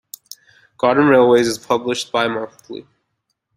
"Garden Railways" is published bi-monthly.